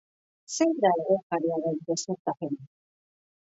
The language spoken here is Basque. Zein da egunkariaren gezurtapena?